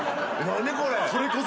何これ！？